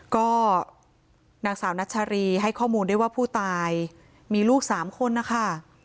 ก็นางสาวนัชรีให้ข้อมูลได้ว่าผู้ตายมีลูก๓คนนะคะ